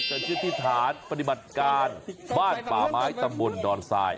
เจ้าน่างเนี่ยจะชื่อทฤษฐานปฏิบัติการบ้านป่าไม้ตำบลดอนทราย